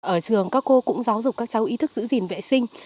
ở trường các cô cũng giáo dục các cháu ý thức giữ gìn vệ sinh